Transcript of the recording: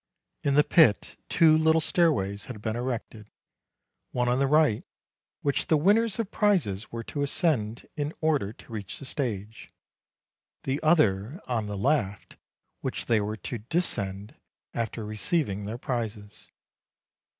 In the pit two little stairways had been erected : one on the right, which the winners of prizes were to ascend in order to reach the stage; the other, on the left, which they were to descend after receiving their prizes.